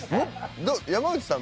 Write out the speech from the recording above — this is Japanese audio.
山内さん